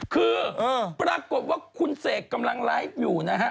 คือปรากฏว่าคุณเสกกำลังไลฟ์อยู่นะฮะ